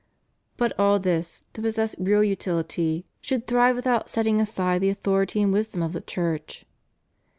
But all this, to possess real utility, should thrive without setting aside the authority and wisdom of the Church.